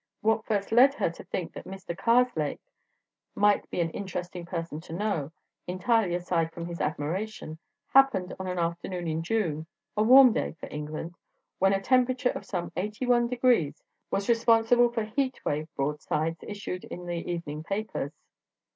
What first led her to think that Mr. Karslake might be an interesting person to know, entirely aside from his admiration, happened on an afternoon in June, a warm day for England, when a temperature of some 81 degrees was responsible for "heat wave" broadsides issued by the evening papers.